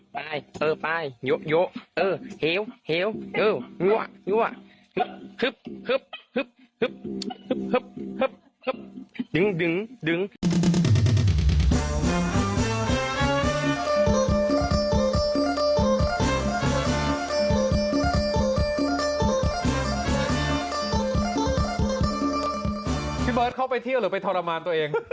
เบิร์ตเข้าไปเที่ยวหรือไปทรมานตัวเอง